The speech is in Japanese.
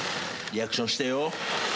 リアクションしてよ。